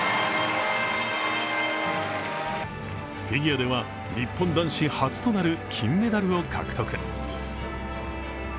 フィギュアでは日本男子初となる金メダルを獲得。